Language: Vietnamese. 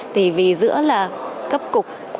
thì vì giữa là cấp tướng